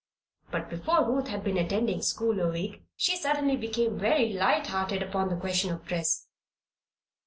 But before Ruth had been attending school a week, she suddenly became very light hearted upon the question of dress.